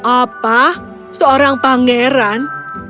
apa seorang pangeran